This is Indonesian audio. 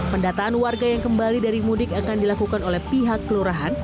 pendataan warga yang kembali dari mudik akan dilakukan oleh pihak kelurahan